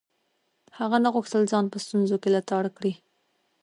هغه نه غوښتل ځان په ستونزو کې لتاړ کړي.